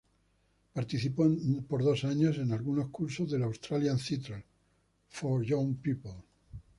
Participó por dos años en algunos cursos del "Australian Theatre for Young People".